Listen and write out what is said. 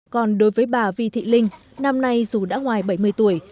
còn đối với bà vi thị linh năm nay dù đã ngoài bảy mươi tuổi